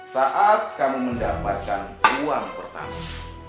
saat kami mendapatkan uang pertama